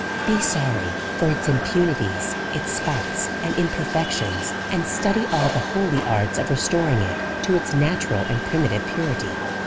Be sorry for its impunities, its sports, and imperfec tions, and study all the holy arts of restoring it to its natural and primitive purity.